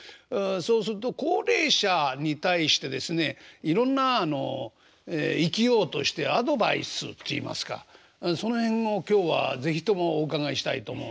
そうすると高齢者に対してですねいろんなあの生きようとしてアドバイスっていいますかその辺を今日は是非ともお伺いしたいと思うんですけれど。